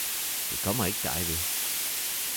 Det kommer ikke dig ved